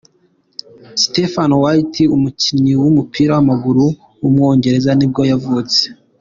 Stephen Wright, umukinnyi w’umupira w’amaguru w’umwongereza nibwo yavutse.